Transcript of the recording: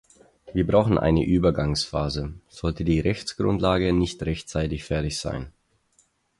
Wir brauchen eine Übergangsphase, sollte die Rechtsgrundlage nicht rechtzeitig fertig sein.